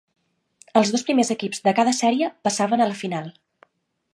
Els dos primers equips de cada sèrie passaven a la final.